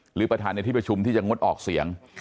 หรือประธานในที่ประชุมที่จะงดออกเสียง